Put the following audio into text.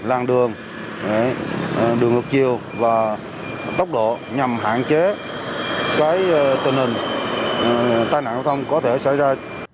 làng đường đường ngược chiều và tốc độ nhằm hạn chế cái tình hình tài nạn giao thông có thể xảy ra